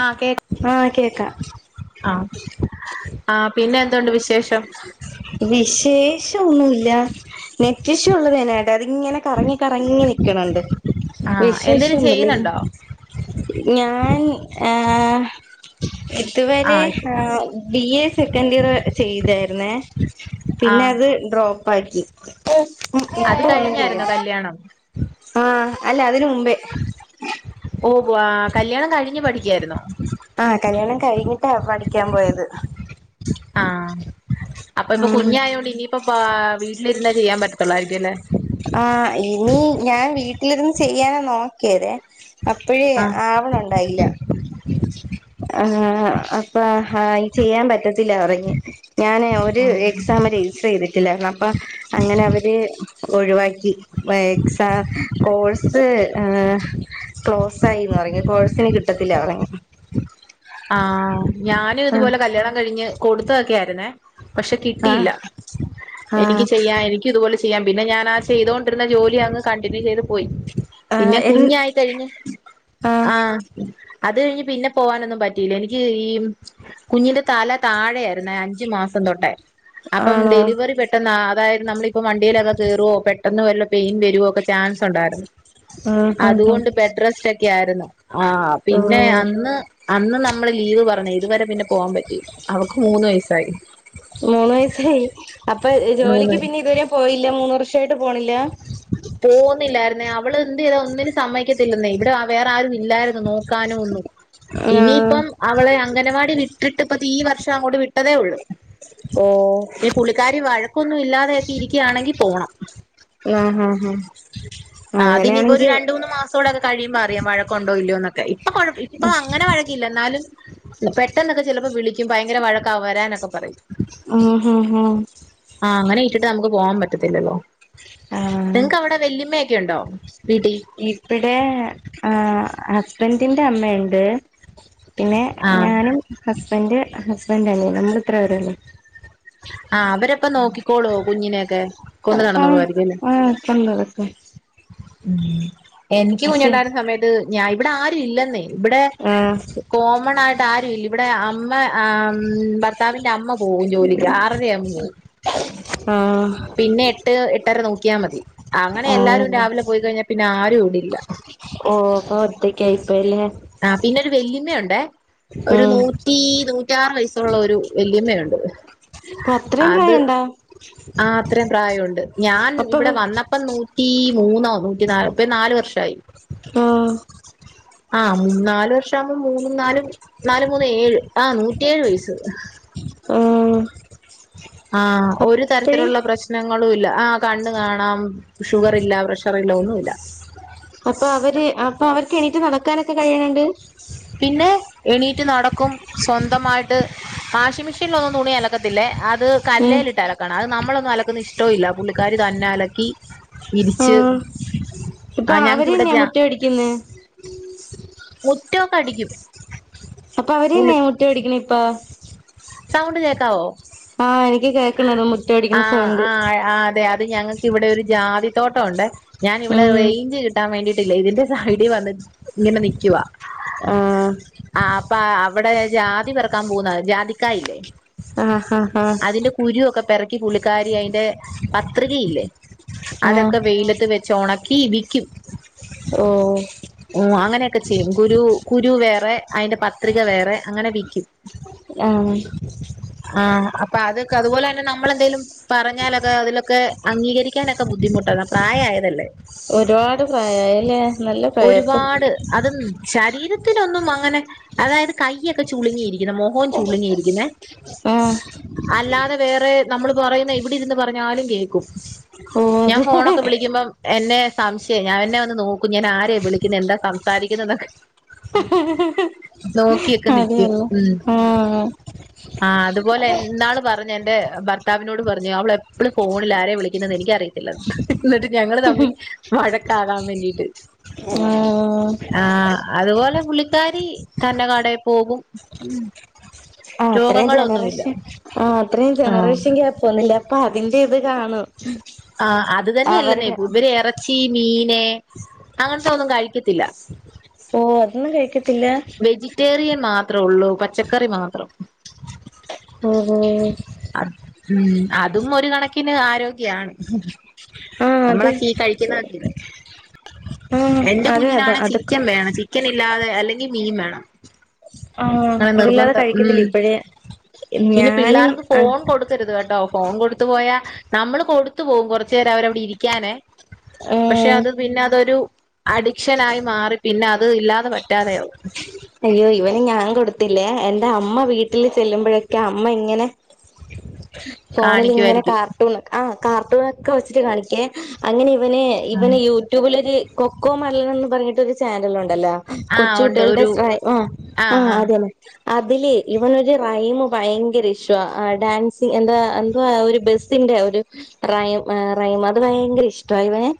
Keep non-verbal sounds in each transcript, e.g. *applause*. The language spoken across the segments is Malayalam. ആ കേ ആഹ് കേക്കാം ആഹ് ആ പിന്നെ എന്തോ ഉണ്ട് വിശേഷം - വിശേഷം ഒന്നുമില്ല നെറ്റ് ഇഷ്യൂ ഉള്ളത് *unintelligible* അതിങ്ങനെ കറങ്ങി കറങ്ങി നിൽക്കണുണ്ട് ആഹ് എന്തേലും വിശേഷന്നുമല്ല ചെയ്യുന്നുണ്ടോ ഞാൻ ആ- ഇതുവരെ ആഹ് ഇപ്പൊ ബി എ സെക്കൻഡ് ഇയറ് - ന്ന *unintelligible* പിന്നെ ആഹ് അത് ഡ്രോപ്പ് ആക്കി ഉം അത് ഇപ്പൊ ഒന്നും കഴിഞ്ഞായിരുന്നോ ചെയ്യാം കല്യാണം ആഹ് അല്ല അതിന് മുമ്പേ ഉവ്വാ കല്യാണം കഴിഞ്ഞ് പഠിക്കായിരുന്നോ ആഹാ കല്യാണം കഴിഞ്ഞിട്ടാ പഠിക്കാൻ പോയത് ആഹാ അപ്പൊ ഇപ്പൊ ആഹ് കുഞ്ഞായൊണ്ട് ഇനിയിപ്പ വീട്ടിലിരുന്നേ ചെയ്യാൻ പറ്റത്തോള്ളായിരിക്കും അല്ലേ ആഹാ ഇനി ഞാൻ വീട്ടിലിരുന്ന് ചെയ്യാനാ നോക്കിയതെ അപ്പഴേ ആഹ് ആവണ ഉണ്ടായില്ല ആഹ് അപ്പ- ആഹ് ഈ ചെയ്യാൻ പറ്റത്തില്ല പറഞ് ഞാന് ഒരു എക്സാം രജിസ്റ്റർ ചെയ്തിട്ടില്ലാരുന്നു അപ്പൊ- അങ്ങനെ അവര്- ഒഴിവാക്കി എക്സാം കോഴ്സ്- ക്ലോസ് ആയിന്ന് പറഞ്ഞു കോഴ്സിന് കിട്ടത്തില്ല പറഞ്ഞു ആഹ് ഞാനും ആഹ് ഇതുപോലെ കല്യാണം കഴിഞ്ഞ് കൊടുത്തതൊക്കെ ആയിരുന്നേ പക്ഷെ ആഹ് കിട്ടിയില്ല എനിക്ക് ആഹ് ചെയ്യാ- എനിക്ക് ഇതുപോലെ ചെയ്യാം പിന്നെ ഞാൻ ആ ചെയ്തുകൊണ്ടിരുന്ന ജോലി അങ്ങ് കണ്ടിന്യൂ ചെയ്ത് പോയി പിന്നെ ആഹ് എൻ കുഞ്ഞായി കഴിഞ്ഞ് ആഹ് ആഹാ അത് കഴിഞ്ഞ് പിന്നെ പോകാനൊന്നും പറ്റ- പറ്റില എനിക്ക് ഈ കുഞ്ഞിന്റെ തല താഴെയായിരുന്നു അഞ്ചു മാസം തൊട്ടേ അപ്പം ആണോ ഡെലിവറി പെട്ട- പെട്ടെന്ന് അതായത് നമ്മളിപ്പോ വണ്ടിയിലെ കയറുവോ പെട്ടെന്ന് വല്ല പെയിൻ വരുവോ നോക്കെ ചാൻസ് ഒണ്ടായിരുന്നു ആഹ് ആഹ് അതുകൊണ്ട് ബെഡ് ഡ്രസ്റ്റ് ഒക്കെ ആയിരുന്നു ആ പിന്നെ ആഹ് അന്ന് അന്ന് നമ്മ നമ്മള് ലീവ് പറഞ്ഞത് ഇതുവരെ പിന്നെ പോവാൻ പറ്റിയില്ല അവക്ക് മൂന്ന് വയസായി മൂന്ന് വയസായി അപ്പൊ മൂന്ന് ജോലിക്ക് പിന്നെ ഇതുവരെ പോയില്ല മൂന്ന് വർഷയിട്ട് പോണില്ല പോകുന്നില്ലായിരുന്നെ അവള് എന്ത് ചെയതാ ഒനിന്നും സമ്മതിക്കത്തില്ലാരുന്നേ ഇവിടെ വേറെ ആരും ഇല്ലായിരുന്നു നോക്കാനോ ഒന്നും ആഹ് ഇനിയിപ്പം അവളെ അംഗനവാടി വിട്ടിട്ട് ഇപ്പ ഈ വർഷം അങ്ങോട്ട് വിട്ടതേയുള്ളൂ ഓഹ് പുള്ളിക്കാരി വഴക്കൊന്നും ഇല്ലാതെയൊക്കെ ഇരിക്കുകയാണെങ്കിൽ പോകണം ആഹ് ആഹ് ആഹ് ആ അതിനിയിപ്പോ ഒരു അങ്ങനെയാണെങ്കി രണ്ട് മൂന്ന് മാസൊടൊക്കെ കഴിയുമ്പോ അറിയാം വഴുക്കൂണ്ടോ ഇല്ലയൊന്നൊക്കെ ഇപ്പ അങ്ങനെ വഴ ല്ല എന്നാലും പെട്ടെന്നൊക്കെ ചിലപ്പോ വിളിക്കും ഭയാങ്കര വഴക്കാ വരാനൊക്കെ പറയും ആഹ് ആഹ് ആഹ് ആഹ് അങ്ങനെ ഇട്ടിട്ട് നമുക്ക് പോവാൻ പറ്റത്തില്ലല്ലോ ആഹ് നിങ്ങക്കവിടെ വല്ലിമ്മ ക്കെണ്ടോ വീട്ടി ഇവിടെ ആ ഹസ്ബൻറിന്റെ അമ്മണ്ട് പിന്നെ ആ ഞാനും ഹസ്ബൻഡ് ഹസ്ബൻഡിൻ്റമ്മ നമ്മൾ ഇത്ര പേരൊള്ളു ആഹ് അവരപ്പൊ നോക്കിക്കോളോ കുഞ്ഞിനെയൊക്കെ ആഹ് കൊണ്ട്നടന്നോളയിരിക്കും അല്ലേ ആഹ് അതൊണ്ട് അതൊക്കെ ഉം എനിക്ക് പക്ഷെ കുഞ്ഞുണ്ടായിരുന്ന സമയത്ത് ഞാൻ ഇവിടെ ആരും ഇല്ലെന്നേ ഇവിടെ ആഹ് കോമണായിട്ട് ആരും ഇല്ല ഇവിടെ അമ്മ ആ ഭർത്താവിന്റെ അമ്മ പോവും ജോലിക്ക് എട്ടര ആകുമ്പോ പോകും ആഹ് പിന്നെ - എട്ട് എട്ടര നോക്കിയാൽ മതി അങ്ങനെ എല്ലാരും ആണല്ലേ രാവിലെ പോയി കഴിഞ്ഞാൽ പിന്നെ ആരും ഇവിടല്ല ഓ അപ്പൊ ഒറ്റക്കായിപ്പോയില്ലേ ആ പിന്നെ ഒരു വെല്ലിയമ്മയുണ്ടേ ഒരു ഉം നൂറ്റി നൂറ്റിയാറ് വയസ്സുള്ള ഒരു വല്യമ്മയുണ്ട് ഇവിടെ അത്രയും പ്രായണ്ടോ ആ അത്രയും പ്രായണ്ട് ഞാൻ അപ്പൊ ഇവിടെ വന്ന പ്പൊ നൂറ്റി മൂന്നോ നൂറ്റി നാലോ ഇപ്പ നാല് വർഷമായി ആഹ് ആഹ് നാല് വർഷം ആവുമ്പോ മൂന്നും നാലും നാല് മൂന്ന് ഏഴ് ആ നൂറ്റിയേഴ് വയസ് ആഹ് ആഹ് ഒരു അപ്പഴ് തരത്തിലുള്ള പ്രശ്നങ്ങളും ഇല്ല ആഹ് കണ്ണ് കാണാം ഷുഗർ ഇല്ല പ്രഷറി ല്ല ഒന്നുംല്ല അപ്പൊ അവര് അപ്പൊ അവർക്ക് എണീട്ട് നടക്കാനൊക്കെ കഴിയണണ്ട് പിന്നെ എണീറ്റ് നടക്കും സ്വന്തമായിട്ട് വാഷിംഗ് മെഷീനിലൊന്നും തുണി അലക്ക അക്കത്തില്ലേ അത് ഉം കല്ലേലിട്ട് അലക്കണം അത് നമ്മളൊന്നും അലക്കുന്ന ഇഷ്ടോം ഇല്ല പുള്ളിക്കാരി തന്നെ അലക്കി വിരിച്ച് ആഹ് ആ ഞങ്ങക്ക് ഇവിടെ ജ മുറ്റം അടിക്കുന്നെ മുറ്റൊക്കെ അടിക്കും അപ്പൊ പുള്ളി അവര്ന്നെ മുറ്റടികുന്നെപ്പോ സൗണ്ട് കേക്കാവോ ആഹ്‌ എനിക്ക് കേക്കണ് ണ്ട് മുറ്റടിക്കുന്ന ആഹ് സൗണ്ട് ആഹ് അതെ ‌ അത് ഞങ്ങക്ക് ഇവിടെ ഒരു ജാതിത്തോട്ടൊണ്ടേ ഞാനിവിടെ ഉം റേയ്ഞ്ച് കിട്ടാവേണ്ടി ട്ടില്ലേ ഇതിന്റെ സൈഡി വന്ന് ഇങ്ങനെ നിക്കുവാ ആഹ് ആഹ്‌ അപ്പ അവിടെ ജാതി പെറ്ക്കാപോകുന്ന ജാതിക്കായില്ലേ ആഹ് ആഹ് അതിന്റെ കുരു ഒക്കെ പെറ്ക്കി പുള്ളിക്കാരി അയ്ന്റെ പത്രികയില്ലേ ആഹ് ആഹ് അതൊക്കെ വെയിലത്ത് വെച്ച് ഒണക്കി വിക്കും ഓഹ്‌ ഓഹ്‌ അങ്ങനെയൊക്കെ ചെയ്യും കുരു കുരു വേറെ അതിന്റെ പത്രിക വേറെ അങ്ങനെ വിക്കും ആഹ്‌ ആഹ്‌ അപ്പൊ അതൊക്കെ അതുപോലെ തന്നെ നമ്മളെന്തേലും പറഞ്ഞാലത് അതിലാെക്കേ അങ്ങീകരിക്ക്യാനൊക്ക ബുദ്ധിമുട്ടാണ് പ്രായായെതെല്ലേ ഒരുപാട് പ്രയായല്ലേ നല്ല പ്രായാപ്പം ഒരുപാട് അത് ശരീരത്തിനൊന്നും അങ്ങെനെ അതായത് കയ്യെക്കെ ചുള്ങ്ങിയിരിക്ക്യ്ന്ന് മോഖോം ചുള്ങ്ങിയിരി ആഹ്‌ വേറെ നമ്മള് പറയ്ന്നെ ഇവിടെ ഇര്ന്ന് പറഞ്ഞാലും കേക്കും ഓ ഞാൻ അതെ ഫോണൊക്കെ വിളിക്കുമ്പം എന്നേ സംശയാ ഞാ എന്നെ വന്ന് നോക്കും ഞാൻ ആരെയാ വിളിക്ക്യ്ണെ എന്താ സംസാരിക്ക്ണെന്നൊക്കെ നാേക്ക്യൊക്കെ നിക്ക്യും അതെയല്ലേ ഉം ആഹ് ആഹ് അത്പോലെ ന്നാള് പറഞ്ഞു എന്റെ ഭർത്താവിനോട് പറഞ്ഞു അവള് എപ്പളും കോളിലാ ആരെ വിളി ക്ക്ന്നെന്ന് എനിക്കറിയത്തില്ലെന്ന് ന്നിട്ട് ഞങ്ങള് തമ്മി വഴക്കാകാം വേണ്ടീട്ട് ഉം ആഹ് അ അത്പോലെ പുള്ളിക്കാരി തന്നെ കടേ പോകും ആഹ്‌ അത്രേം രോഗങ്ങളൊന്നുമില്ല ജെനെറെഷെൻ ആഹ് അത്രേം ആ ജെനെറേഷെൻ ഗ്യാപ്പ് വന്ന്ല്ലേ അ പ്പാെ അതിന്റെ ഇത് കാണും ആഹ്‌ അത് തന്നെയെല്ലെന്നേ അവരുടെ ബെര് എറെച്ചി മീന് അങ്ങെൻത്തെ ഒന്നും കഴിക്കത്തില്ലാ ഓഹ്‌ അതൊന്നും കഴിക്കത്തില്ലാ വെജിറ്റേറിയെൻ മാത്രേ ഒള്ളു പച്ചക്കറി മാത്രം ഓഹ് ഓഹ് അത് ഉം അതും ഒര് കണക്കിന് ആരോഗ്യാണ് ആഹ് അതെ നമ്മളക്കീ ഈ കഴിക്ക്യ്ന്നതൊക്കേ ആഹ് എന്റെ അതെ അതെ കുഞ്ഞിനാണേ അതൊക്കെ ചിക്കെൻ വേണം ചിക്കെനില്ലാതെ അല്ലെങ്കി മീൻ വേണം ആഹ്‌ അങ്ങനെ അതില്ലാതെ നിർബന്ധം കഴിക്കത്തില്ല ഉം ഇപ്പഴേ പിന്നെ ഞാനും പിള്ളേർക്ക് അ ഫോൺ കൊട്ക്കര്ത് കേട്ടോ ഫോൺ കൊട്ത്തു പോയാ നമ്മെള് കൊട്ത്ത് പോവും കൊറെച്ചേരവരവ്ടെ ഇരിക്ക്യാനേ പക്ഷെ ഉം അത് പിന്നെ അതൊരു അഡിക്ഷനായി മാറി പിന്നെ അത് ഇല്ലാതെ പറ്റാതെയാവും അയ്യോ ഇവെന് ഞാൻ കൊട്ത്തില്ലേ എന്റെ അമ്മ വീട്ടില് ചെല്ല്മ്പഴെക്കെ അമ്മ ഇങ്ങെനെ *inaudible* ഫോണിലിങ്ങെനെ കാണിക്കുവായിരിക്കും കാർട്ടൂണ് ആഹ്‌ കാർട്ടൂണാെക്കെ വെച്ചിട്ട് കാണിക്ക്യേ അങ്ങെനെ ഇവെന് ഇവെന് യൂടൂബിലൊര് കൊക്കോ മെലെനെന്ന് പറഞ്ഞിട്ടൊരു ചാനലുണ്ടല്ലാ ആഹ്‌ ഒണ്ട് ഒരു ആയ്‌ ആഹ്‌ ആഹ്‌ ആഹ് അത് തന്നെ അതിലെ ഇവനൊരു റൈമ് ഭയെങ്കെരെ ഇഷ്ടവാ ഡാൻസി എന്താ എന്ത്‌വാ ഒരു ബെസ് സ്സിന്റെ ഒരു റൈ റൈമ് അത് ഭയ്ങ്കര ഇഷ്ടവാ ഇവെന്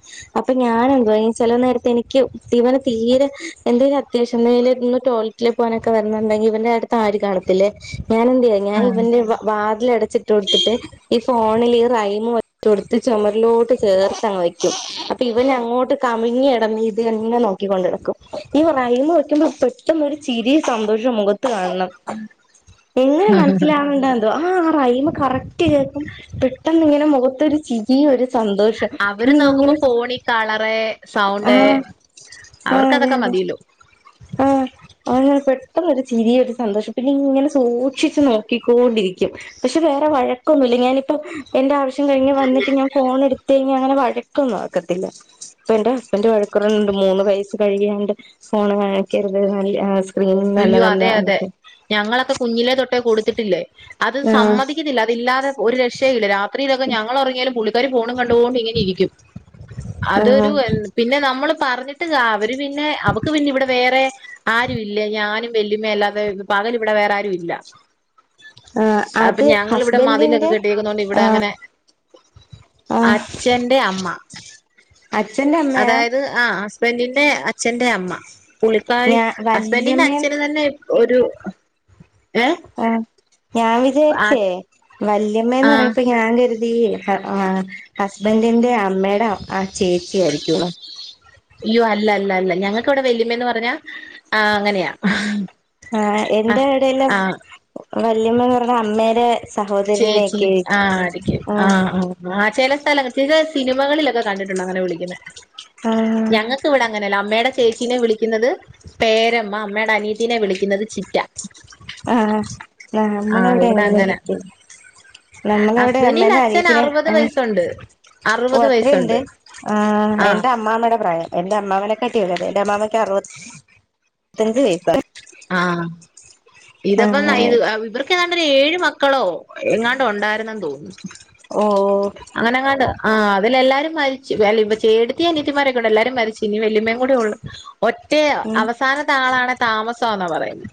അപ്പം ഞാനെന്തോയ്യും ചെലെ നേരെത്ത് എനിക്ക്യ് ഇവെന് തീരെ എന്തേല് അത്യാവശ്യണ്ടെങ്കില് ഒന്ന് ടോയ്ലറ്റില് പോകാനൊക്കെ വര്ന്ന്ണ്ടെങ്കി ഇവന്റെ അട്ത്ത് ആരും കാണത്തില്ലേ ഞാനന്തെയ്യ ഞാ ഇവെന്റെ വ വാതിലടച്ചിട്ട് കൊട്ത്ത്ട്ട് ഇവ് ഫോണില് ഈ റൈമുറ്റ് കൊട്ത്ത് ചൊമര്ലോട്ട് ചേർത്തങ്ങ് വെക്ക്യും അപ്പ ഇവനങ്ങോട്ട് കമിഴ്ഞ്ഞ് കെടെന്ന് ഇത് തന്നെ നോക്കി കൊണ്ട് ന്ക്കും ഈ റൈമിങ്ങ് വെക്ക്യുമ്പം പെ ട്ടെന്നൊരു ചിരിം സന്തോഷം മുഖത്ത് കാൺണം എങ്ങെനെ ആഹ് മനസ്സ്ലാവ്ണ്‌ണ്ടോ എ ന്തോ ആഹ്‌ ആ റൈമ് കറക്റ്റ് കേക്കും പെട്ടെന്ന്ങ്ങെനെ മുഖത്തൊര് ചി രീം ഒര് സന്തോഷോം അവര് ഇന്ന് നോക്കുമ്പോ ഇങ്ങെനെ ഫോണി കളറ് സൗണ്ട് ആഹ് അവർക്കതൊക്കെ മതീലോ അങ്ങെനെ പെട്ടെന്നാെര് ചിരിയൊര് സന്തോഷം പിന്നിങ്ങെനെ സൂക്ഷിച്ച് നോക്കിക്കോണ്ടിരിക്ക്യും പക്ഷെ വേറെ വഴക്കൊന്നുല്ലാ ഞാനിപ്പം എന്റെ ആവിശ്യം കയിഞ്ഞ് വന്നിട്ട് ഞാൻ ഫോണെട്ത്തയ്ഞ്ഞാ അങ്ങെനെ വഴ ക്കാെന്നും ആക്കത്തില്ലാ ഇപ്പ എന്റെ ഹസ്ബെൻ്റ് വഴക്ക് പറയ്ന്ന്ണ്ട് മൂന്ന് വയസ്സ് കഴിയാണ്ട് ഫോണ് ഇങ്ങെനെ കര്ത്ണേ നല്ല ആ സ്ക്രീനും അയ്യോ നല്ലതല്ലാ അതെ അതെ എന്നാക്കെ ഞങ്ങളൊക്കെ കുഞ്ഞിലെ തൊട്ടേ കൊടുത്തിട്ടില്ലേ അത് ആഹ് സമ്മതിക്കുന്നില്ലാ അത് ഇല്ലാതെ ഒര് രക്ഷയും ഇല്ല രാ ത്രിയിലൊക്കെ ഞങ്ങള് ഒറങ്ങിയാലും പുള്ളിക്കാരി ഫോണും കണ്ടോണ്ടിങ്ങനെ ഇരിക്കും അത് ഒര് ആഹ് എ പിന്നെ നമ്മള് പറഞ്ഞിട്ട് കാ അവര് പിന്നെ അവക്ക് പിന്നെ ഇവടെ വേറെ ആരുമി ഇല്ല ഞാനും വല്ല്യാമേ അല്ലാതെ പകല് ഇവടെ വേറാരുവില്ലാ ആഹ് അപ്പൊ അത് ഞങ്ങള് വടെ മതിലൊക്കെ ഹസ്ബൻഡിന്റെ കെട്ടിയേക്ക്ന്നോണ്ട് ഇവടെ ആഹ് അങ്ങനെ ആഹ് അച്ഛൻ്റെ അമ്മ അച്ഛന്റെ അമ്മയാ അതായത് ആഹ് ഹസ്ബഡിന്റെ അച്ഛൻ്റെ അമ്മാ പുള്ളിക്കാരി ഞാ ഹസ്ബൻഡിന്റെ വല്യമ്മേന്ന് അച്ഛന് തന്നെ ഒര് ഏഹ്? ആഹ് ഞാൻ വിചാരിച്ചേ വല്ല്യാമ്മേന്ന് ആ പറയ്പ്പേ ഞാൻ കരുതി ആ ഹസ്ബെൻഡിന്റെ അമ്മേടെ ആഹ് ചേച്ചി ആയിരിക്കൂന്ന് അയ്യോ അല്ലല്ലല്ല ഞങ്ങക്ക് ഇവടെ വല്ല്യാമേന്ന് പറഞ്ഞ് ആഹ് അങ്ങനെയാ ആഹ് ആ എന്റെ എടോയെല്ല ആ വല്യമ്മേന്ന് പറഞ്ഞാ അമ്മേടെ ചേച്ചി സഹോദരനെയൊക്കെ ആഹ് ആയിരിക്കും ആഹ് ആഹ് ആഹ് ചെല സ്ഥലങ്ങള് ചില സിനിമകളിലൊക്കെ കണ്ടിട്ടുണ്ട് അങ്ങനെ വിളിക്ക്ന്നേ ആഹ് ഞങ്ങ ക്ക് ഇവടെ അങ്ങനെയല്ല അമ്മേടെ ചേച്ചീനെ വിളിക്ക്ന്നത് പേരമ്മ അമ്മേടെ അനിയത്തിനെ വിളിക്ക്ന്നത് ചിറ്റ ആഹ് ആഹ് ആ നമ്മടെ അവടെയും ഇവിടെ അങ്ങനെ വിളിക്കും നമ്മളെ അവടെ ഹസ്ബൻഡിന് അമ്മേൻ്റെ അച്ഛൻ അനിയത്തിനെ അറുപത് ആഹ് വയസ്സുണ്ട് ഓഹ് അറുപത് അത്രെയിണ്ട് വയസ്സുണ്ട് ആഹ് ആ എന്റെ അ അമ്മാമേടെ പ്രായം എന്റെ അമ്മാമനെക്കാട്ടി എളായതാ എന്റെ അമ്മായ്ക്ക് അറുവത്തഞ്ച് വയസായി ആഹ് ഇത്പ്പേനെ ആഹ് ഇവർ ക്ക് ഏതാണ്ടൊര് ഏഴ് മക്കളോ എങ്ങാണ്ട് ഒണ്ടായിര്ന്നന്ന് തോന്ന്ണ് ഓഹോ അങ്ങനെ എങ്ങാണ്ടാ ആഹ് അതിലെല്ലാരും മരിച്ച് ഇപ്പേ ചേട്ടത്തി അനീത്തിമരൊക്കേ ഒണ്ട് എല്ലാരും മരിച്ച് ഇനി വല്ല്യാമ്മേം കൂടിയൊള്ളു ഒറ്റേ അവസാനത്തെ ആളാണേ താമസമാന്നാ പറയ്ന്നേ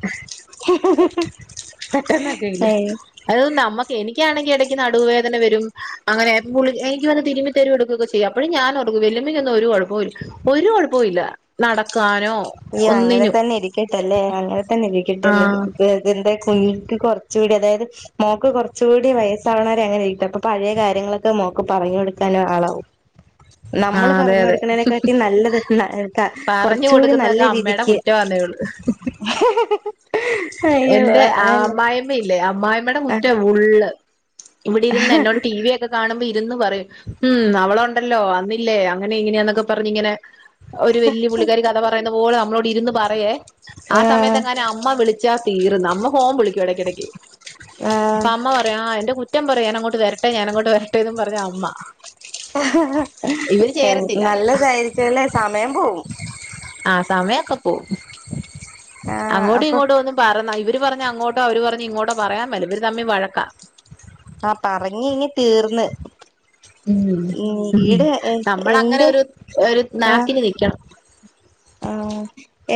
ഉം *unintelligible* അത് നമ്മക്ക് എനിക്ക്യാണെങ്കി എടക്ക് നടുവ് വേദന വെരും അങ്ങനെ ഗുളിക എനിക്ക് വന്ന് തിരുമ്മി തെരും എടുക്കേക്ക ചെ യ്യും അപ്പാഴും ഞാനോർക്കും വല്ല്യാമ്മക്കൊന്നും ഒര് കൊഴപ്പൊവുല്ല ഒര് കൊഴപ്പോം ഇല്ല നടക്കാനോ അയ്യോ അങ്ങനെ ഒന്നിനും തന്നെ ഇരിക്കട്ടെ അല്ലേ അങ്ങനെ തന്നെ ഇരിക്കട്ടെന്ന് ആഹ് അതെ അതിന്റെ കുനുട്ട് കൊറച്ചുടി അതായത് മോക്ക് കൊറച്ചൂടി വയസ്സാവണാ വരെ അങ്ങനെ ഇരിക്കട്ടെ അപ്പൊ പഴയ കാര്യങ്ങളൊക്കെ മോക്ക് പറഞ്ഞ് കൊടുക്കാനും ആളാവും നമ്മള് ആഹ് അതെ പറഞ്ഞ് അതെ കൊട്ക്ക്ണേക്കാട്ടിലും നല്ലത് *unintelligible* പറഞ്ഞു കൊറച്ചൂടി നല്ല നല്ല കൊടുക്കുന്നതൊക്കെ അമ്മയുടെ രീതിക്ക് കുറ്റമാന്നേ ഉള്ളൂ അയ്യോ അതല്ല അമ്മയില്ലേ അമ്മായിമ്മേടെ കുറ്റ ഫുള്ള് ഇവടെയിരുന്ന് എന്നോട് ടി വി യൊക്കെ കാണുമ്പോ ഇരുന്ന് പറയും ഉം അവള് ഒണ്ടല്ലോ അന്ന് ഇല്ലേ അങ്ങനെ ഇങ്ങനെയാന്നൊക്കെ പറഞ്ഞ് ഇങ്ങനെ ഒര് വല്ല്യ പുള്ളിക്കാരി കഥ പറയുന്ന പോലെ നമ്മളോട് ഇരുന്ന് പറയേ ആഹ് സമയത്ത് എങ്ങാനും അമ്മാ വിളി ച്ചാ തീർന്ന് അമ്മാ ഫോൺ വിളിക്കും എടക്കെടക്ക് ആഹ് അപ്പം അമ്മ പറയും ആഹ് എന്റെ കുറ്റും പറയ ഞാനങ്ങോട്ട് വെരട്ടെ ഞാന ങ്ങോട്ട് വെരട്ടെ എന്നും പറഞ്ഞ് അമ്മ ഇവര് ചേരത്തില്ല നല്ലതായിരിക്കുംല്ലെ സമയം പോവും ആഹ് സമയൊക്കെ പോവും ആഹ് അങ്ങോട്ടും അപ്പൊ ഇങ്ങോട്ടും ഒന്നും പറഞ്ഞാ ഇവര് പറഞ്ഞാ അങ്ങോട്ടോ അവര് പറഞ്ഞാ ഇങ്ങോട്ടോ പറയാൻ മേല ഇവര് തമ്മി വഴക്കാ ആഹ് പറഞ്ഞ് കഴിഞ്ഞ തീർന്ന് ഉം ഉം നമ്മള് എന്റെ അങ്ങനൊരു ഒരു ആഹ് നാക്കിന് നിക്കണം ആഹ്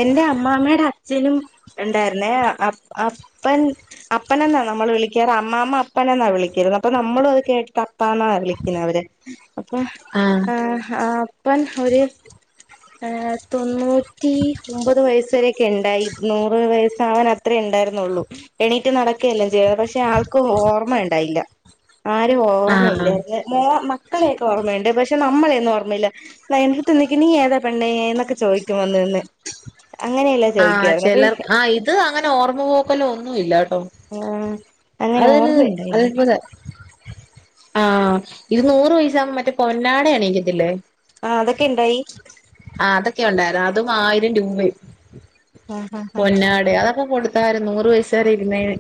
എന്റെ അമ്മാമ്മാടെ അച്ഛനും ഇണ്ടാര്ന്നേ അ അ അപ്പൻ അപ്പനെന്നാ നമ്മള് വിളിക്കാറ് അമ്മാമ്മ അപ്പനെന്നാ വിളിച്ചിരുന്നെ അപ്പോ നമ്മളും അത് കേട്ടിട്ടാ അ അപ്പാ എന്നാ വിളിക്കുന്നെ അവര് അപ്പം ആഹ് ആഹ് അപ്പൻ ഒരു തൊണ്ണൂറ്റി ഒമ്പത് വയസ് വരെയൊക്കെ ഉണ്ടായി നൂറ് വയസ്സ് ആവാൻ അ അത്രേ ഉണ്ടായിരുന്നുള്ളൂ എണീറ്റ് നടക്കുയെല്ലാം ചെയ്യുവായിരുന്നു പക്ഷേ ആൾക്ക് ഓർമ്മ ഉണ്ടായില്ല ആരെയും ആഹ് ഓർമ്മയില്ലാരുന്ന് മോ മക്കളെയൊക്കെ ഓർമ്മയുണ്ട് പക്ഷെ നമ്മളെയൊന്നും ഓർമ്മയില്ല എന്റടുത്തു ചോദിക്കും നീ ഏതാ പെണ്ണേന്നൊക്കെ ചോദിക്കും വന്ന് നിന്ന് അങ്ങനെയല്ലാം ആഹ് ചോദിക്കുവായിരുന്നു അപ്പോ ചിലർ ആഹ് ഇത് അങ്ങനെ ഓർമ്മ പോക്കലോ ഒന്നും ഇല്ല കേട്ടോ ഉം അതൊരു അത്ഭുതം ആഹ് ഇത് നൂറ് വയസ് ആവുമ്പോ മറ്റേ പൊന്നാട അണിയിക്കത്തില്ലേ ആഹ് അതൊക്കെ ഇണ്ടായി ആഹ് അതൊക്കെ ഉണ്ടായിരുന്ന് അതും ആയിരം രൂപയും ആഹ് ആഹ് പൊന്നാട അതൊക്കെ കൊ ടുത്തായിരുന്നു നൂറ് വയസ് വരെ ഇരുന്നേന്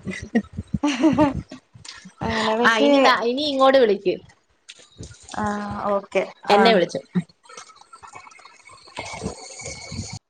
ആഹ് അങ്ങനെ ആഹ് പക്ഷേ ഇനി ഇനി ഇങ്ങോട് വിളിക്ക്‌ ആഹ് ഓക്കെ എന്നെ ആഹ് വിളിച്ചു *unintelligible*